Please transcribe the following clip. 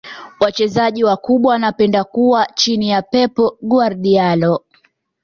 wachezaji wakubwa wanapenda kuwa chini ya pep guardiola